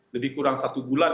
lebih kurang satu bulan